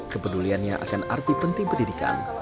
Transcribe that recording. kepeduliannya akan arti penting pendidikan